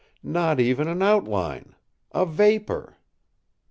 Not even an outline—a vapor!